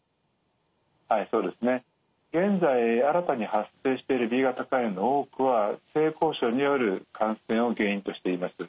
はいそうですね。現在新たに発生しているＢ型肝炎の多くは性交渉による感染を原因としています。